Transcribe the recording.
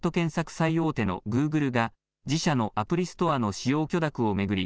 最大手のグーグルが自社のアプリストアの使用許諾を巡り